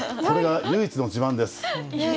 それが唯一の自慢です。